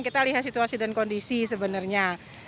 kita lihat situasi dan kondisi sebenarnya